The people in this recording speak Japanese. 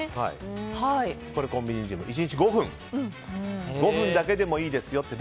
コンビニジム１日５分だけでもいいですよと。